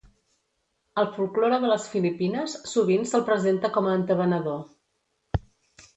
Al folklore de les Filipines sovint se'l presenta com a entabanador.